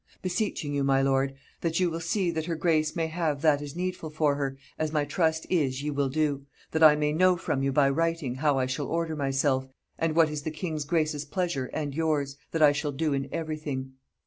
Beseeching you, my lord, that you will see that her grace may have that is needful for her, as my trust is ye will do that I may know from you by writing how I shall order myself; and what is the king's grace's pleasure and yours, that I shall do in every thing.